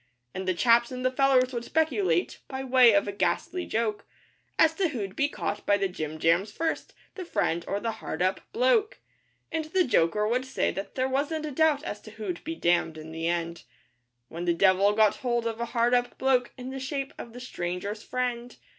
And the chaps and the fellers would speculate by way of a ghastly joke As to who'd be caught by the 'jim jams' first? the Friend or the hard up bloke? And the 'Joker' would say that there wasn't a doubt as to who'd be damned in the end, When the Devil got hold of a hard up bloke in the shape of the Stranger's Friend.